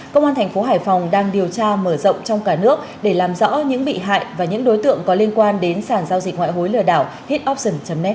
công an thành phố hải phòng đang điều tra mở rộng trong cả nước để làm rõ những bị hại và những đối tượng có liên quan đến sàn giao dịch ngoại hối lửa đảo hitoption net